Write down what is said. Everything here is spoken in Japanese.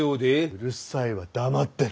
うるさいわ黙ってろ。